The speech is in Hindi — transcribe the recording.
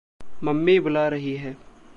मम्मी बुला रही है